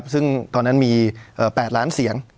ซึ่งตอนนั้นมี๘ล้านเสียง